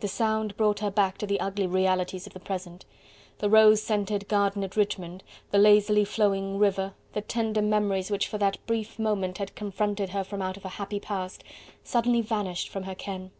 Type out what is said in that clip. The sound brought her back to the ugly realities of the present: the rose scented garden at Richmond, the lazily flowing river, the tender memories which for that brief moment had confronted her from out a happy past, suddenly vanished from her ken.